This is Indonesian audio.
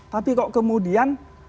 tapi kok kemudian